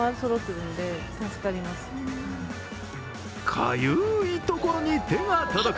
かゆいところに手が届く